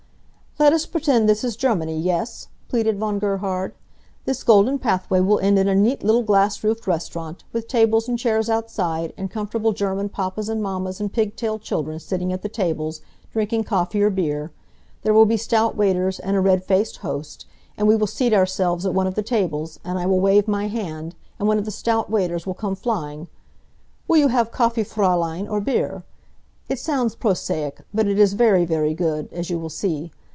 "Let us pretend this is Germany, yes?" pleaded Von Gerhard. "This golden pathway will end in a neat little glass roofed restaurant, with tables and chairs outside, and comfortable German papas and mammas and pig tailed children sitting at the tables, drinking coffee or beer. There will be stout waiters, and a red faced host. And we will seat ourselves at one of the tables, and I will wave my hand, and one of the stout waiters will come flying. 'Will you have coffee, Fraulein, or beer?' It sounds prosaic, but it is very, very good, as you will see.